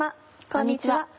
こんにちは。